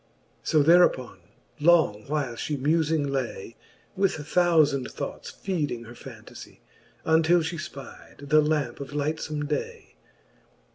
XVII. So thereuppon long while Ihe mufing lay. With thoufand thoughts feeding her fantafie, Untill Ihe fpide the lampe of lightfome day.